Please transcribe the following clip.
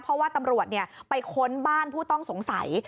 เพราะว่าตำรวจไปค้นบ้านผู้ต้องสงสัย